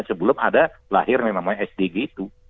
sebelum ada lahir yang namanya sdg itu